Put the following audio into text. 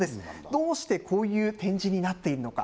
どうしてこういう展示になっているのか。